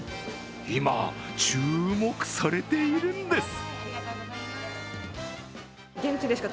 今、注目されているんです。